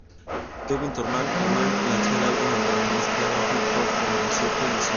Kevin Thornton lanzó un álbum en donde mezclaba hip hop con gospel y soul.